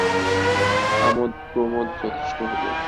আমোদপ্রমোদ যথেষ্ট হল।